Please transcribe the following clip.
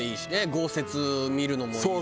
豪雪見るのもいい。